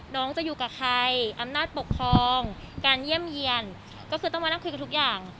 น้องจะอยู่กับใครอำนาจปกครองการเยี่ยมเยี่ยนก็คือต้องมานั่งคุยกันทุกอย่าง